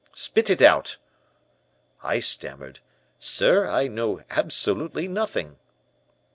Spit it out.' "I stammered, 'Sir, I know absolutely nothing.'